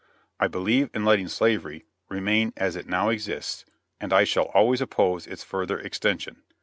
I believe in letting slavery remain as it now exists, and I shall always oppose its further extension.